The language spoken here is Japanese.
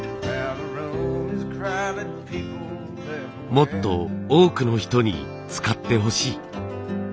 もっと多くの人に使ってほしい。